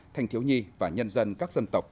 thành thiếu nhi và nhân dân các dân tộc